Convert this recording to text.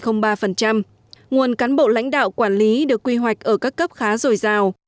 nguồn cán bộ lãnh đạo quản lý được quy hoạch ở các cấp khá rồi rào